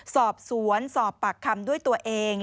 สอบสวนสอบปากคำด้วยตัวเอง